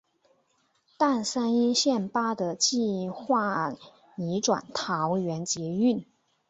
但三莺线八德计画移转桃园捷运。